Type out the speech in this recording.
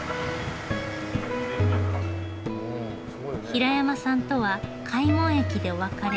平山さんとは開聞駅でお別れ。